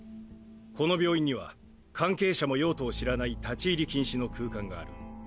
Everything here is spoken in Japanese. この病院には関係者も用途を知らない立入禁止の空間がある。